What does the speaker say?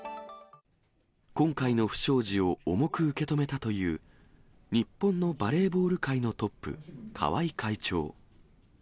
今回の不祥事を重く受け止めたという、日本のバレーボール界のトップ、川合会長。